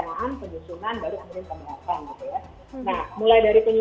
bahwa proses kemencukan peraturan perundangan itu sebenarnya dimulai dari kaha presiden